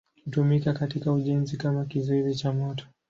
Hutumika katika ujenzi kama kizuizi cha moto.